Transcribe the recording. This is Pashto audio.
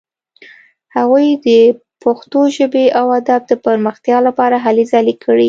هغوی د پښتو ژبې او ادب د پرمختیا لپاره هلې ځلې کړې.